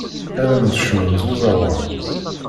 Ad am-d-cnun s uẓawan.